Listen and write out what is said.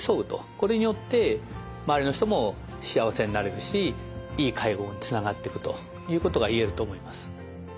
これによって周りの人も幸せになれるしいい介護につながっていくということが言えると思います。